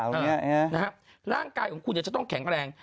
และร่างกายของคุณจะต้องแข็งแรง